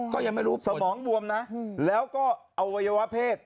ใช่แค่มุม